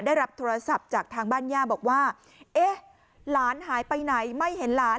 ได้รับโทรศัพท์จากทางบ้านย่าบอกว่าเอ๊ะหลานหายไปไหนไม่เห็นหลาน